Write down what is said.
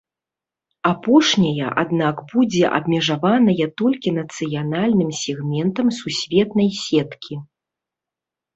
Апошняя, аднак, будзе абмежаваная толькі нацыянальным сегментам сусветнай сеткі.